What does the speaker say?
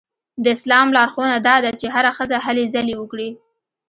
د اسلام لارښوونه دا ده چې هره ښځه هلې ځلې وکړي.